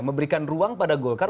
memberikan ruang pada golkar